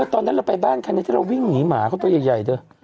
ตอนนั้นเราไปบ้านคันนี้ที่เราวิ่งหนีหมาเขาตัวใหญ่เถอะ